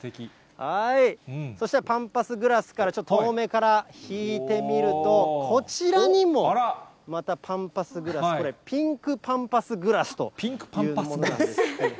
そしてパンパスグラスから、ちょっと遠目から引いてみると、こちらにもまたパンパスグラス、これ、ピンクパンパスグラスというものなんです。